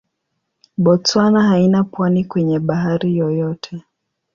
Botswana haina pwani kwenye bahari yoyote.